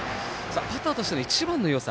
バッターとしての一番のよさ